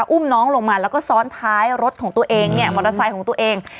อุ้มน้องลงมาแล้วก็ซ้อนท้ายรถของตัวเองเนี่ยมอเตอร์ไซค์ของตัวเอง